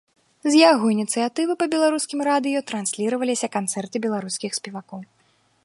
З яго ініцыятывы па беларускім радыё трансліраваліся канцэрты беларускіх спевакоў.